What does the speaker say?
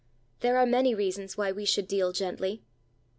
There are many reasons why we should deal gently.